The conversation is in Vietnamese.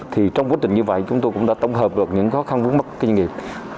thì trong quá trình như vậy chúng tôi cũng đã tổng hợp được những khó khăn vướng mắt kinh nghiệm